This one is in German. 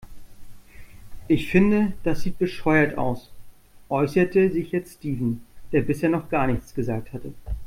Ich finde, das sieht bescheuert aus, äußerte sich jetzt Steven, der bisher noch gar nichts gesagt hatte.